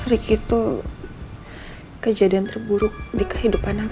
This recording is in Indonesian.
ricky tuh kejadian terburuk di kehidupan aku sayang